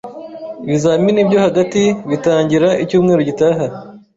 Ibizamini byo hagati bitangira icyumweru gitaha.